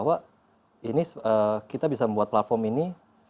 tapi itu bukan ide yang lebih ke luar negeri